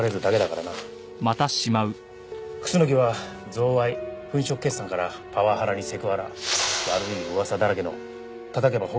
楠木は贈賄粉飾決算からパワハラにセクハラ悪い噂だらけのたたけばほこりが出る男だ。